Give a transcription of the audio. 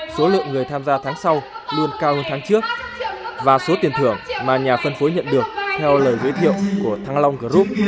số lượng người tham gia tháng sau luôn cao hơn tháng trước và số tiền thưởng mà nhà phân phối nhận được theo lời giới thiệu của thăng long group